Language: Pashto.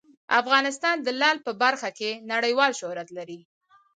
افغانستان د لعل په برخه کې نړیوال شهرت لري.